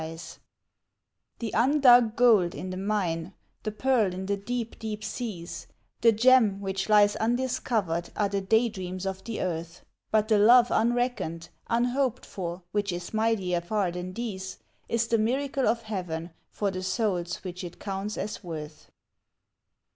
THE MIRACLE OF FRIENDSHIP 35 The undug gold in the mine, the pearl in the deep, deep seas, The gem which lies undiscovered, are the daydreams of the earth ; But the love unreckoned, unhoped for, which is mightier far than these, Is the miracle of Heaven for the souls which it counts as worth.